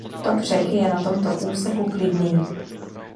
Tok řeky je na tomto úseku klidný.